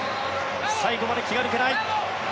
最後まで気が抜けない。